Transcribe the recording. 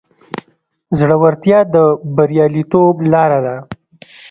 زړورتیا د بریالیتوب لاره ده.